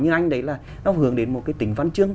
nó hướng đến một cái tính văn chương